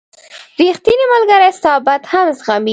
• ریښتینی ملګری ستا بد هم زغمي.